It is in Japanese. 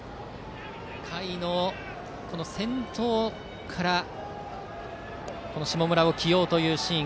下位の先頭から下村を起用というシーン